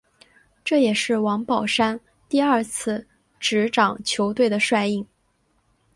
这也是王宝山第二次执掌球队的帅印。